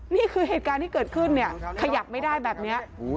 นี่คือเหตุการณ์ที่เกิดขึ้นเนี่ยขยับไม่ได้แบบนี้